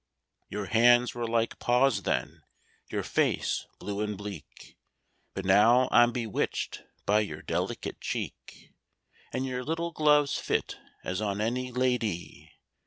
—"Your hands were like paws then, your face blue and bleak, But now I'm bewitched by your delicate cheek, And your little gloves fit as on any la dy!"